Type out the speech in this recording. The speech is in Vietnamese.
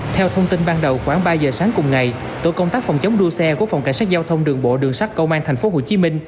theo thông tin ban đầu khoảng ba giờ sáng cùng ngày tổ công tác phòng chống đua xe của phòng cảnh sát giao thông đường bộ đường sắt công an tp hcm